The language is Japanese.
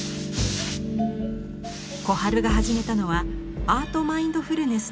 小春がはじめたのはアートマインドフルネスという瞑想法。